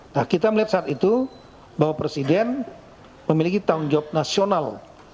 nah kita melihat saat itu bapak presiden memiliki tanggung jawab nasional